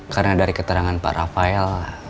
karena dari keterangan pak rafael